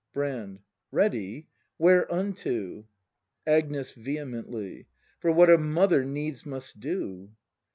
Brand. Ready ? Whereunto ? Agnes. [Vehemently.] For what a mother needs must do!